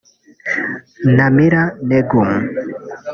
Namira Negm